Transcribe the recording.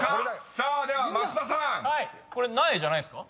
［さあでは増田さん］「苗」じゃないんですか。